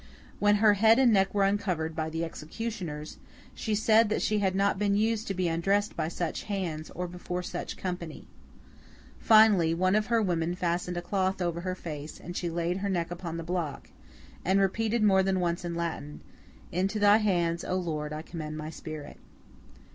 When her head and neck were uncovered by the executioners, she said that she had not been used to be undressed by such hands, or before so much company. Finally, one of her women fastened a cloth over her face, and she laid her neck upon the block, and repeated more than once in Latin, 'Into thy hands, O Lord, I commend my spirit!